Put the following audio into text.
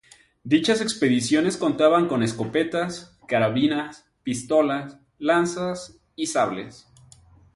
Dichas expediciones contaban con escopetas, carabinas, pistolas, lanzas y sables.